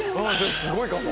すごいかも！